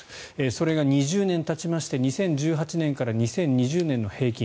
それが２０年たちまして２０１８年から２０２０年の平均